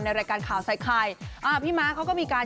ในรายการนี้พี่ม้าก็มีการ